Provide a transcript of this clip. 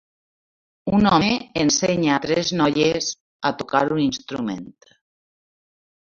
Un home ensenya a tres noies a tocar un instrument.